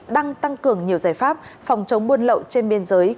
đang tăng cường nhiều giải pháp phòng chống buôn lậu trên biên giới